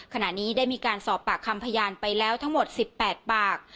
ขณะนี้ได้มีการสอบปากคำพยานไปแล้วทั้งหมด๑๘ปาก